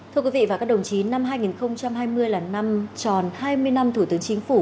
thưa quý vị và các đồng chí năm hai nghìn hai mươi là năm tròn hai mươi năm thủ tướng chính phủ